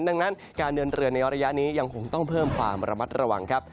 ดังนั้นการเดินเรือในระยะนี้ยังคงต้องเพิ่มความระมัดระวังครับ